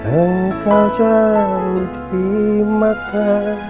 engkau jauh di mata